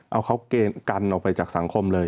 เอาเขากันออกไปจากสังคมเลย